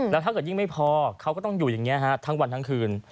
แล้วถ้าเกิดยิ่งไม่พอเขาก็ต้องอยู่อย่างนี้ทั้งวันทั้งคืน